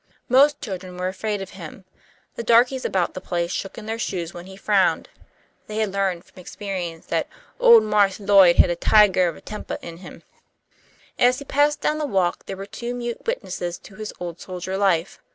Most children were afraid of him. The darkies about the place shook in their shoes when he frowned. They had learned from experience that "ole Marse Lloyd had a tigah of a tempah in him." As he passed down the walk there were two mute witnesses to his old soldier life.